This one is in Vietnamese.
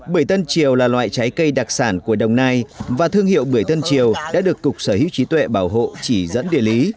bưởi tân triều là loại trái cây đặc sản của đồng nai và thương hiệu bưởi tân triều đã được cục sở hữu trí tuệ bảo hộ chỉ dẫn địa lý